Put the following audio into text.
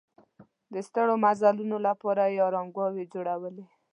د ستړو مزدورانو لپاره یې ارامګاوې جوړولې.